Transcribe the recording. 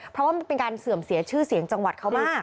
เพราะว่ามันเป็นการเสื่อมเสียชื่อเสียงจังหวัดเขามาก